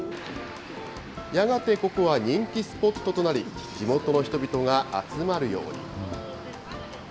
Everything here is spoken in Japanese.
やがて、ここは人気スポットとなり、地元の人々が集まるように。